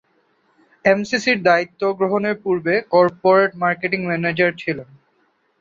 এমসিসি’র এ দায়িত্ব গ্রহণের পূর্বে কর্পোরেট মার্কেটিং ম্যানেজার ছিলেন।